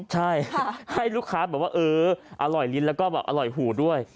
ใช่ให้ลูกค้าแบบว่าอร่อยลิ้นและอร่อยหูด้วย